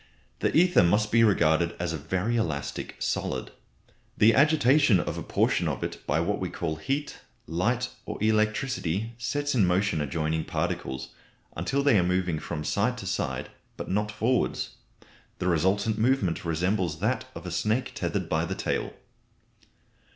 The ether must be regarded as a very elastic solid. The agitation of a portion of it by what we call heat, light, or electricity, sets in motion adjoining particles, until they are moving from side to side, but not forwards; the resultant movement resembling that of a snake tethered by the tail.